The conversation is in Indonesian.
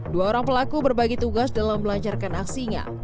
dua orang pelaku berbagi tugas dalam melancarkan aksinya